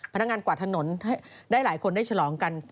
พนักงานกวาดถนนได้หลายคนได้ฉลองกัน